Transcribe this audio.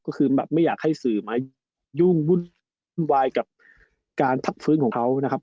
ก็คือแบบไม่อยากให้สื่อมายุ่งวุ่นวายกับการพักฟื้นของเขานะครับ